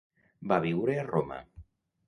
Va viure a Roma.